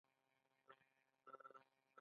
آیا د تل لپاره نه وي؟